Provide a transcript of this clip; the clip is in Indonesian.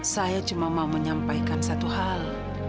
saya cuma mau menyampaikan satu hal